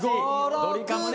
ドリカムね！